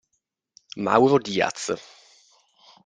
Mauro Díaz